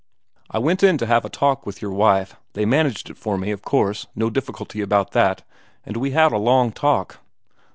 I went in to have a talk with your wife they managed it for me, of course, no difficulty about that and we had a long talk.